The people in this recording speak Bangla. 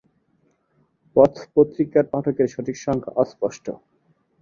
পথ পত্রিকার পাঠকদের সঠিক সংখ্যা অস্পষ্ট।